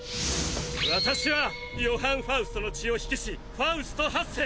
私はヨハン・ファウストの血を引きしファウストⅧ世。